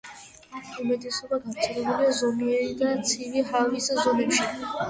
უმეტესობა გავრცელებულია ზომიერი და ცივი ჰავის ზონებში.